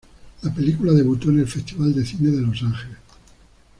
La película debutó en el Festival de cine de Los Ángeles.